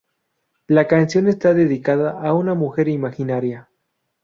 La canción está dedicada a una mujer imaginaria.